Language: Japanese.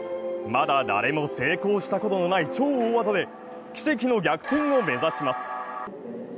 まだ誰も成功したことのない超大技で奇跡の逆転を目指します。